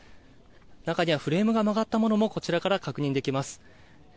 中にはフレームが曲がったものもこちらから確認できます。